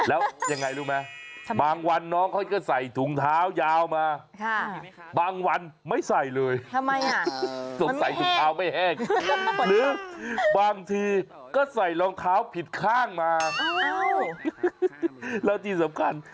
แล้วที่สำคัญชอบมากเลย